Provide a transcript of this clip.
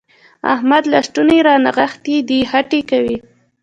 احمد لستوڼي رانغښتي دي؛ خټې کوي.